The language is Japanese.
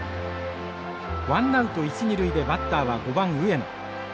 ワンナウト一二塁でバッターは５番上野。